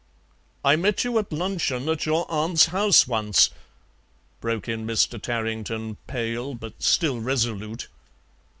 "I met you at luncheon at your aunt's house once " broke in Mr. Tarrington, pale but still resolute.